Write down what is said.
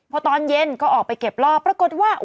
พอตอนเย็นก็ออกไปเก็บรอบปรากฏว่า